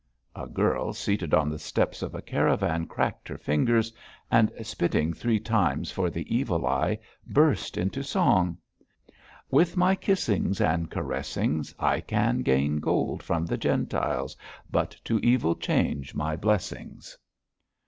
A girl seated on the steps of a caravan cracked her fingers, and spitting three times for the evil eye, burst into a song: 'With my kissings and caressings I can gain gold from the Gentiles; But to evil change my blessings.'